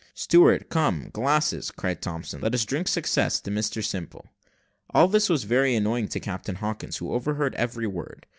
"Steward, come glasses," cried Thompson, "and let us drink success to Mr Simple." All this was very annoying to Captain Hawkins, who overheard every word.